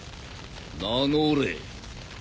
名乗れ。